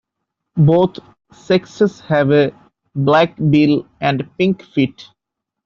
Both sexes have a black bill and pink feet.